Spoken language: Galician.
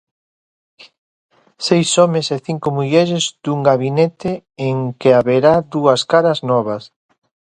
Seis homes e cinco mulleres dun gabinete en que haberá dúas caras novas.